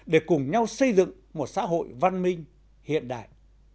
để cùng nhau xây dựng một xã hội văn minh hiện đại